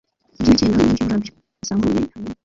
iby imikindo n iby uburabyo busambuye hanyuma